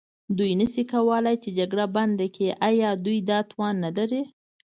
دوی نه شي کولای چې جګړه بنده کړي، ایا دوی دا توان نه لري؟